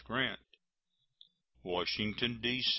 GRANT. WASHINGTON, D.